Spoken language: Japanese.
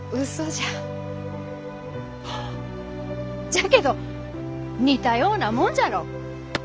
じゃけど似たようなもんじゃろう。